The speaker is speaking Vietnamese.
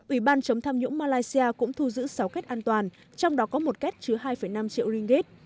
ủy ban chống tham nhũng malaysia cũng thu giữ sáu kết an toàn trong đó có một kết chứa hai năm triệu ringgit